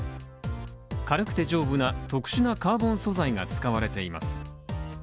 軽くて丈夫な特殊なカーボン素材が使われています。